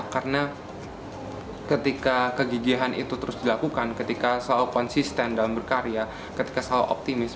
karena ketika kegigihan itu terus dilakukan ketika selalu konsisten dalam berkarya ketika selalu optimis